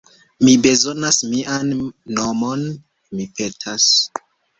Mi bezonas mian monon, mi petas